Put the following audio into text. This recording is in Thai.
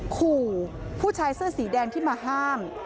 ขู่ผู้ชายเสื้อสีแดงที่มาห้าม